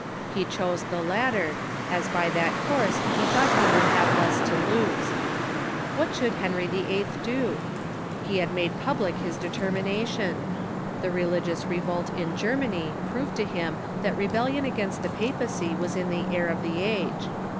He chose the latter, as by that course he thought he would have less to lose. What should Henry VIII. do? He had made public his determination. The religious revolt in Germany proved to him that rebellion against the papacy was in the air of the age.